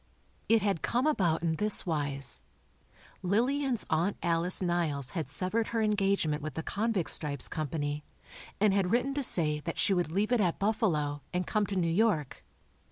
It had come about in this wise: Lillian's Aunt Alice Niles had severed her engagement with the "Convict Stripes" Company, and had written to say that she would leave it at Buffalo, and come to New York.